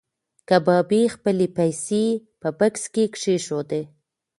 کبابي خپلې پیسې په بکس کې کېښودې.